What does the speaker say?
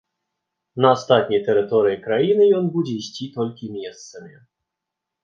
На астатняй тэрыторыі краіны ён будзе ісці толькі месцамі.